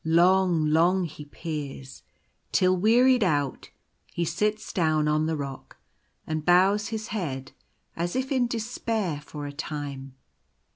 Long, long he peers, till, wearied out, he sits down on the rock and bows his head as if in despair for a time.